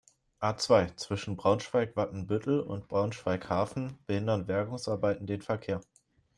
A-zwei, zwischen Braunschweig-Watenbüttel und Braunschweig-Hafen behindern Bergungsarbeiten den Verkehr.